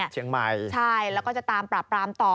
เชียงใหม่ใช่แล้วก็จะตามปราบปรามต่อ